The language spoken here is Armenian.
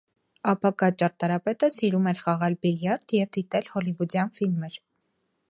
Ապագա ճարտարապետը սիրում էր խաղալ բիլիարդ և դիտել հոլիվուդյան ֆիլմեր։